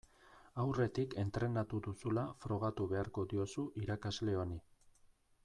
Aurretik entrenatu duzula frogatu beharko diozu irakasle honi.